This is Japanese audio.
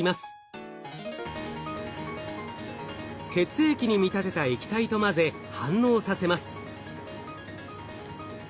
血液に見立てた液体と混ぜ反応させます。